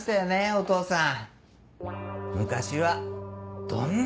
お父さん？